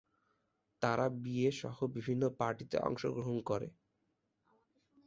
তারা বিয়ে সহ বিভিন্ন পার্টিতে অংশগ্রহণ করে।